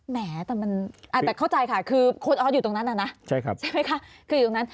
แต่เข้าใจค่ะคือโค้ดออฟอยู่ตรงนั้นน่ะนะ